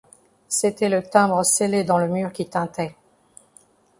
C’était le timbre scellé dans le mur qui tintait.